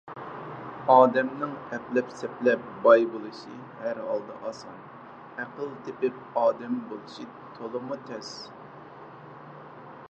ئادەمنىڭ ئەپلەپ - سەپلەپ باي بولۇشى ھەر ھالدا ئاسان؛ ئەقىل تېپىپ ئادەم بولۇشى تولىمۇ تەس.